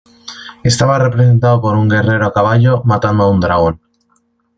Estaba representado por un guerrero a caballo matando a un dragón.